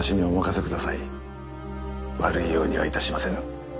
悪いようには致しませぬ。